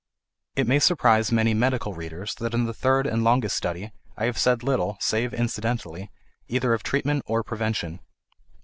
It may surprise many medical readers that in the third and longest study I have said little, save incidentally, either of treatment or prevention.